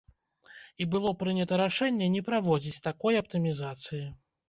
І было прынята рашэнне не праводзіць такой аптымізацыі.